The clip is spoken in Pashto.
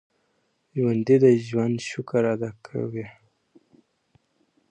ژوندي د ژوند شکر ادا کوي